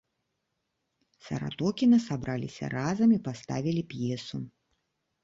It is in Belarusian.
Саратокіна сабраліся разам і паставілі п'есу.